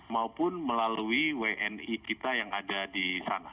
maupun melalui wni kita yang ada di sana